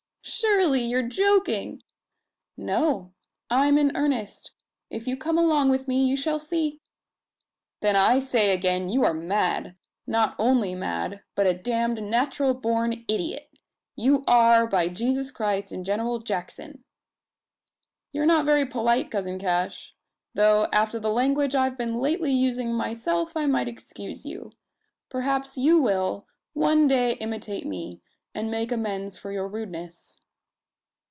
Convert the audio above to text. Surely you are joking?" "No. I'm in earnest. If you come along with me, you shall see!" "Then I say again you are mad! Not only mad, but a damned natural born idiot! you are, by Jesus Christ and General Jackson!" "You're not very polite, cousin Cash; though, after the language I've been lately using myself, I might excuse you. Perhaps you will, one day imitate me, and make amends for your rudeness."